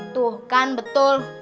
tuh kan betul